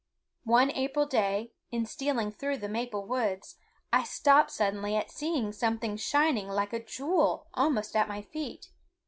One April day, in stealing through the maple woods, I stopped suddenly at seeing something shining like a jewel almost at my feet.